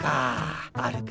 あるか。